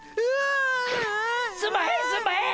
すんまへんすんまへん！